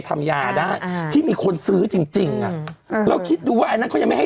ทำยาได้อ่าที่มีคนซื้อจริงจริงอ่ะเราคิดดูว่าอันนั้นเขายังไม่ให้